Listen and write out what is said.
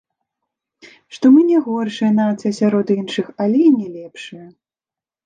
Што мы не горшая нацыя сярод іншых, але і не лепшая.